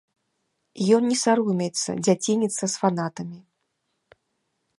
Ён не саромеецца дзяцініцца з фанатамі.